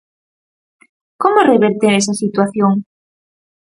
Como reverter esa situación?